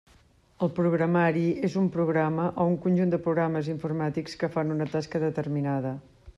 El programari és un programa o un conjunt de programes informàtics que fan una tasca determinada.